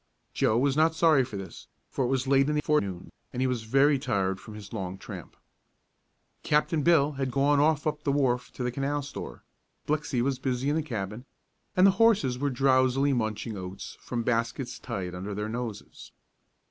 Joe was not sorry for this, for it was now late in the forenoon, and he was very tired from his long tramp. Captain Bill had gone off up the wharf to a canal store, Blixey was busy in the cabin, and the horses were drowsily munching oats from baskets tied under their noses.